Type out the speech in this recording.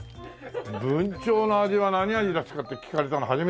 ブンチョウの味は何味ですかって聞かれたの初めてだな。